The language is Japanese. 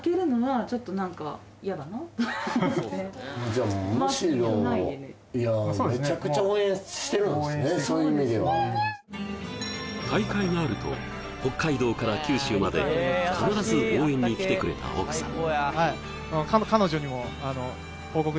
じゃあもうむしろそういう意味では大会があると北海道から九州まで必ず応援に来てくれた奥さん